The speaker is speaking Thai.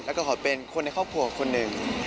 แล้วก็ขอเป็นคนในครอบครัวคนหนึ่ง